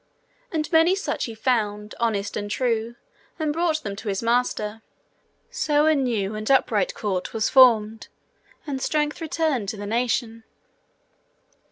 And many such he found, honest and true, and brought them to his master. So a new and upright court was formed, and strength returned to the nation.